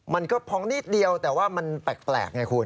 มันก็พองนิดเดียวแต่ว่ามันแปลกไงคุณ